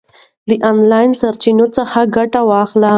د آنلاین سرچینو څخه ګټه واخلئ.